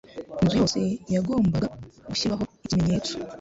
Inzu yose yagombaga gushyirwaho ikimenyetso,